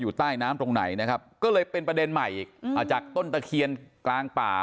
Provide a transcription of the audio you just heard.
ใต้น้ำตรงไหนนะครับก็เลยเป็นประเด็นใหม่อีกอ่าจากต้นตะเคียนกลางป่า